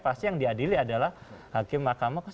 pasti yang diadili adalah hakim mk